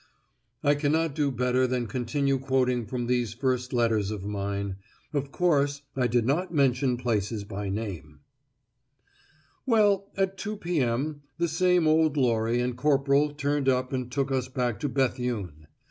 I cannot do better than continue quoting from these first letters of mine; of course, I did not mention places by name: "Well, at 2.0 p.m. the same old lorry and corporal turned up and took us back to Béthune.